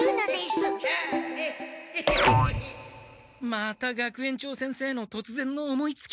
また学園長先生のとつぜんの思いつきか。